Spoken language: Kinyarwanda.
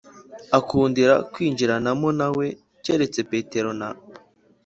akundira kwinjiranamo na we keretse Petero na